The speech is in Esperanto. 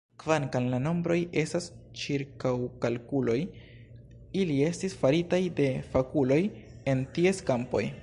Kvankam la nombroj estas ĉirkaŭkalkuloj, ili estis faritaj de fakuloj en ties kampoj.